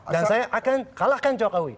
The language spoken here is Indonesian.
dan saya akan kalahkan jokowi